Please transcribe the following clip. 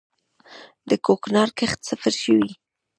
د کوکنارو کښت صفر شوی؟